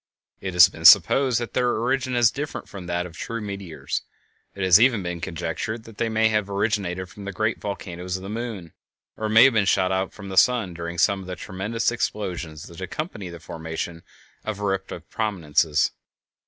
It has been supposed that their origin is different from that of the true meteors; it has even been conjectured that they may have originated from the giant volcanoes of the moon or have been shot out from the sun during some of the tremendous explosions that accompany the formation of eruptive prominences.